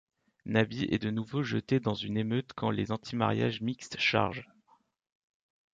Nabi est de nouveau jeté dans une émeute quand les anti-mariages mixtes chargent.